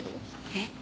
えっ？